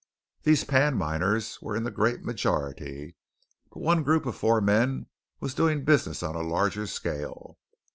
These pan miners were in the great majority. But one group of four men was doing business on a larger scale.